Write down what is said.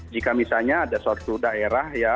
jika misalnya ada suatu daerah ya